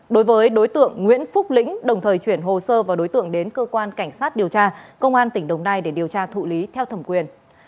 đối với đối tượng nguyễn phúc lĩnh đồng thời chuyển hồ sơ và đối tượng đến cơ quan cảnh sát điều tra công an tỉnh đồng nai để điều tra thụ lý theo thẩm quyền